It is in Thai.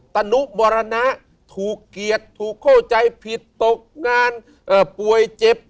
ตนุมรณะถูกเกียรติถูกเข้าใจผิดตกงานป่วยเจ็บ